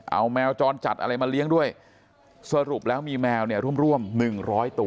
เอาแมวจรจัดอะไรมาเลี้ยงด้วยสรุปแล้วมีแมวเนี่ยร่วมร่วมหนึ่งร้อยตัว